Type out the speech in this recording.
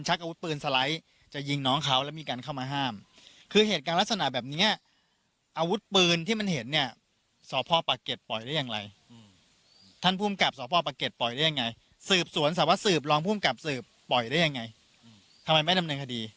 แล้วจนเขาบาดเจ็บสาหัสกระทืบกันปางตายแบบนี้ค่ะ